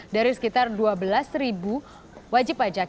dari sekitar dua belas ribu wajib pajak yang telah dikumpulkan